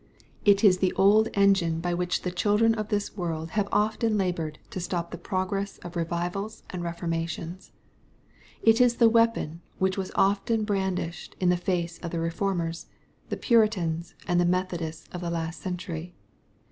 It is the old engine by which the children of this world have often labored to stop the progress of revivals and reformations. It is the weapon which was often brandished in the face of the Eeformers, the Puritans, and the Methodists of the last century.